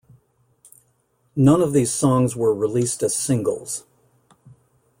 None of these songs were released as singles.